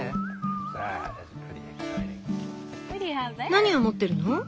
何を持ってるの？